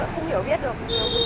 không hiểu biết được